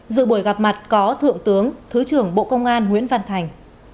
dự buổi gặp mặt có thượng tướng thứ trưởng bộ công an nguyễn văn thành